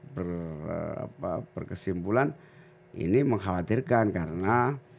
berkesimpulan ini mengkhawatirkan karena